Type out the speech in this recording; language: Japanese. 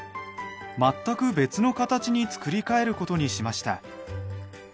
全く別の形に作り替える事にしました。